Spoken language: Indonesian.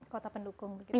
kota pendukung gitu ya